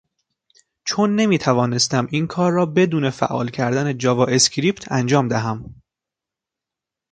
چون نمیتوانستم این کار را بدون فعال کردن جاوااسکریپت انجام دهم